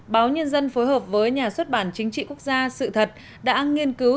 báo nhân dân phối hợp với nhà xuất bản chính trị quốc gia sự thật đã nghiên cứu